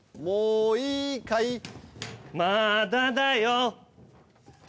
もういいかい？